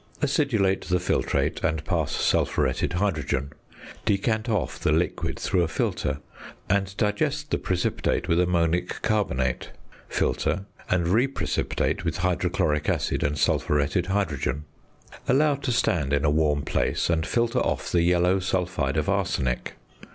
Acidulate the filtrate, and pass sulphuretted hydrogen. Decant off the liquid through a filter, and digest the precipitate with ammonic carbonate; filter, and re precipitate with hydrochloric acid and sulphuretted hydrogen. Allow to stand in a warm place, and filter off the yellow sulphide of arsenic.